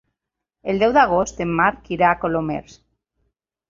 El deu d'agost en Marc irà a Colomers.